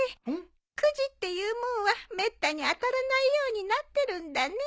くじっていうもんはめったに当たらないようになってるんだね。